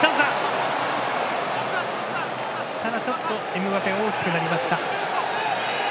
エムバペが大きくなりました。